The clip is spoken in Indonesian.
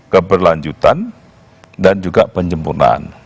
keberlanjutan dan juga penyempurnaan